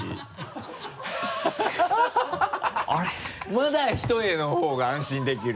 まだ一重の方が安心できる。